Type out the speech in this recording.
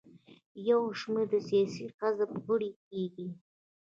یو شمېر د سیاسي حزب غړي کیږي.